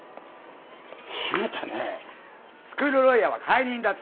あなたねスクールロイヤーは解任だと。